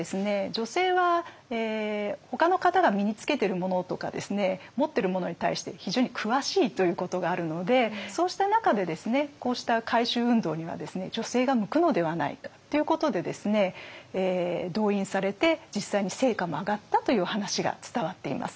女性はほかの方が身につけてるものとか持ってるものに対して非常に詳しいということがあるのでそうした中でこうした回収運動には女性が向くのではないかということで動員されて実際に成果も上がったという話が伝わっています。